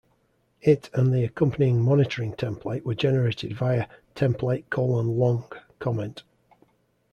It and the accompanying monitoring template were generated via Template:Long comment.